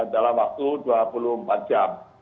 dalam waktu dua puluh empat jam